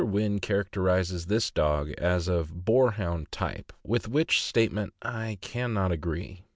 Wynn characterizes this dog as of Boarhound type, with which statement I can not agree.